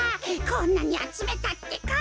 こんなにあつめたってか。